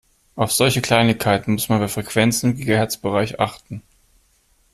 Auf solche Kleinigkeiten muss man bei Frequenzen im Gigahertzbereich achten.